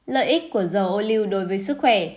lợi ích của dầu ô lưu đối với sức khỏe